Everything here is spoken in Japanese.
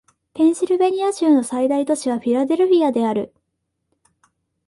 ペンシルベニア州の最大都市はフィラデルフィアである